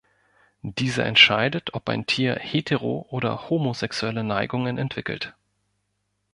Dieser entscheidet, ob ein Tier hetero- oder homosexuelle Neigungen entwickelt.